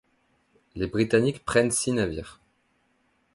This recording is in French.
Les Britanniques prennent six navires.